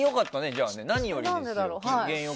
じゃあ、何よりですよ。